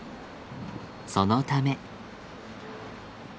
そのため。